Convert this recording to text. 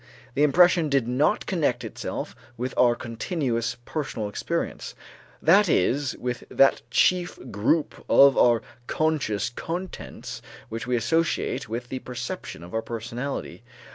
The impression did not connect itself with our continuous personal experience, that is, with that chief group of our conscious contents which we associate with the perception of our personality.